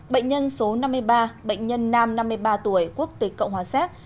bệnh nhân số năm mươi ba bệnh nhân nam năm mươi ba tuổi quốc tịch cộng hòa séc